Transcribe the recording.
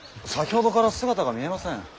先ほどから姿が見えません。